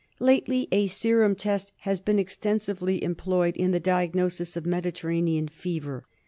Lately a serum test has been extensively employed in the diagnosis of Mediterranean fever.